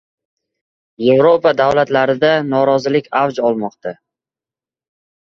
Yevropa davlatlarida norozilik avj olmoqda